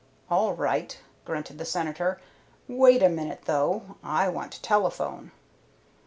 "All right," grunted the Senator. "Wait a minute, though; I want to telephone."